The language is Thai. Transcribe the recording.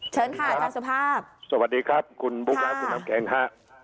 เชิญค่ะอาจารย์สุภาพสวัสดีครับคุณบุ๊คครับคุณน้ำแข็งฮะ